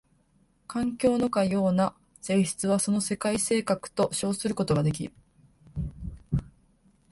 環境のかような性質はその世界性格と称することができる。